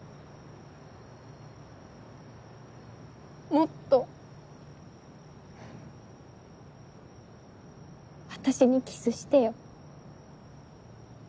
もっと私にキスしてよ。